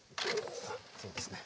そうですね。